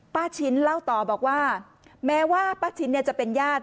ป้าชิ้นเล่าต่อบอกว่าแม้ว่าป้าชิ้นจะเป็นญาติ